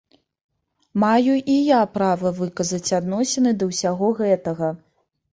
Маю і я права выказаць адносіны да ўсяго гэтага.